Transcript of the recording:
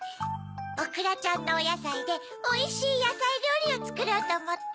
おくらちゃんのおやさいでおいしいやさいりょうりをつくろうとおもって。